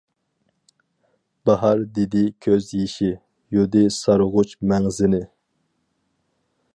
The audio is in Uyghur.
باھار دېدى كۆز يېشى، يۇدى سارغۇچ مەڭزىنى.